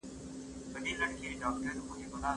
موږ په دې اړه پوره پوهه ترلاسه کړې ده.